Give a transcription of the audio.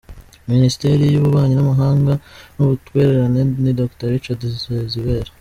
Ministeri y’ububanyi n’amahanga n’ubutwererane ni Dr Richard Sezibera